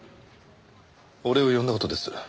俺を呼んだ事です。